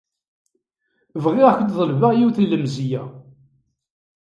Bɣiɣ ad k-ḍelbeɣ yiwet n lemzeyya.